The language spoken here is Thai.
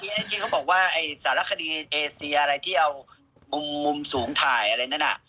พอทีซักทีเขาบอกว่าสารคณีเอเซียอะไรที่เอามุมสูงไทยอะไรแน่นั่ง